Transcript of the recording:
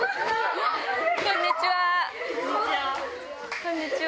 こんにちは。